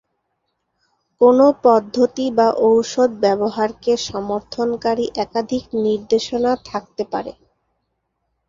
কোনও পদ্ধতি বা ঔষধ ব্যবহারকে সমর্থনকারী একাধিক নির্দেশনা থাকতে পারে।